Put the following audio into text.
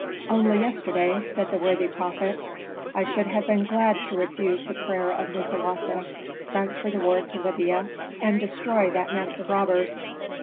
"Only yesterday," said the worthy prophet, "I should have been glad to refuse the prayer of Musawasa, transfer the war to Libya, and destroy that nest of robbers.